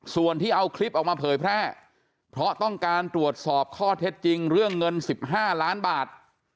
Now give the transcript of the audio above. ส่วนที่เอาคลิปออกมาเผยแพร่เพราะต้องการตรวจสอบข้อเท็จจริงเรื่องเงิน๑๕ล้านบาท